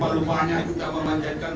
dan berbahagia kita memanjakan